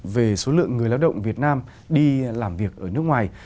về số lượng người lao động việt nam đi làm việc ở nước ngoài